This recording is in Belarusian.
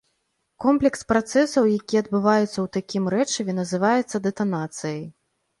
Комплекс працэсаў, які адбываецца ў такім рэчыве, называецца дэтанацыяй.